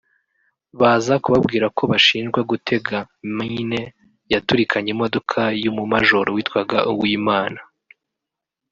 baza kubabwira ko bashinjwa gutega mine yaturikanye imodoka y’umumajoro witwaga Uwimana